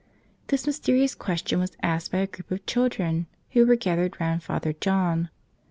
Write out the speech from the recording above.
This mysterious question was asked by a m group of children who were gathered round * Father John.